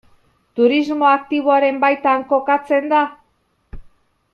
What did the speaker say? Turismo aktiboaren baitan kokatzen da?